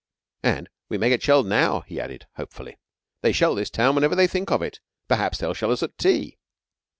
_ "And we may get shelled now," he added, hopefully. "They shell this town whenever they think of it. Perhaps they'll shell us at tea."